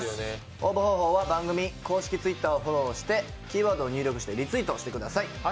応募方法は番組公式Ｔｗｉｔｔｅｒをフォローしてリツイートしてください。